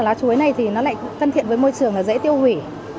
lá chuối này thì nó lại thân thiện với môi trường là dễ tiêu hủy